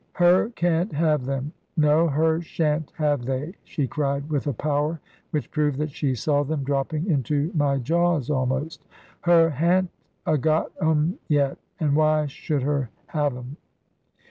"Her can't have them. No, her shan't have they," she cried, with a power which proved that she saw them dropping into my jaws almost; "her han't a got 'em yet; and why should her have 'em?"